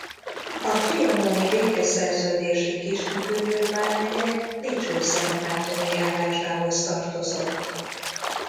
A trianoni békeszerződésig Kis-Küküllő vármegye Dicsőszentmártoni járásához tartozott.